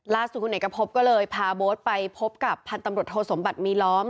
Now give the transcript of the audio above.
ล่าสุดคุณเนกภพก็เรายากพาโบ๊ชไปพบกับพันธ์ตำรวชโศมบัตรมีล้อม